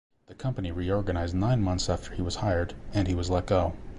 The company reorganized nine months after he was hired and he was let go.